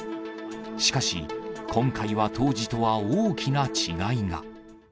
しかし、今回は当時とは大きな違いが。